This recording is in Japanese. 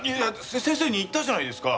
先生に言ったじゃないですか。